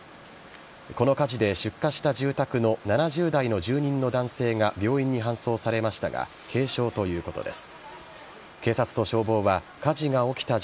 この火事で出火した住宅の７０代の住人の男性が病院に搬送されましたが軽傷ということです。